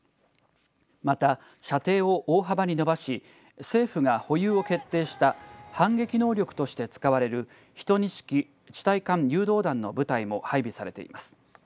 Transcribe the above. また、射程を大幅に伸ばし政府が保有を決定した反撃能力として使われる１２式地対艦誘導弾の部隊も配備されています。